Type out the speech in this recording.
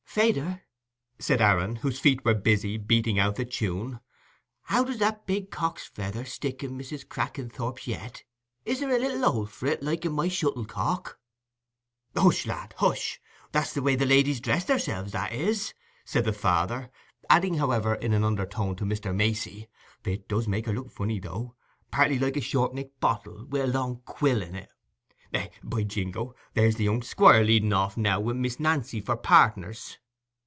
"Fayder," said Aaron, whose feet were busy beating out the tune, "how does that big cock's feather stick in Mrs. Crackenthorp's yead? Is there a little hole for it, like in my shuttle cock?" "Hush, lad, hush; that's the way the ladies dress theirselves, that is," said the father, adding, however, in an undertone to Mr. Macey, "It does make her look funny, though—partly like a short necked bottle wi' a long quill in it. Hey, by jingo, there's the young Squire leading off now, wi' Miss Nancy for partners!